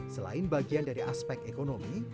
selain bagian dari aspek ekonomi